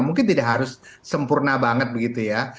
mungkin tidak harus sempurna banget begitu ya